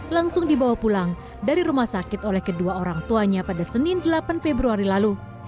langsung dibawa pulang dari rumah sakit oleh kedua orang tuanya pada senin delapan februari lalu